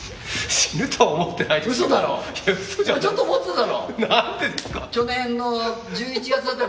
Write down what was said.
死ぬとは思ってないですよ。